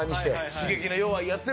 刺激の弱いやつで。